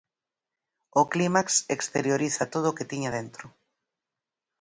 O clímax exterioriza todo o que tiña dentro.